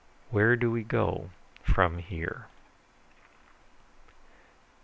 "Where do we go from here?"